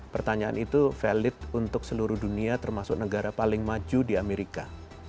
pertanyaan itu valid untuk seluruh dunia termasuk negara paling maju di amerika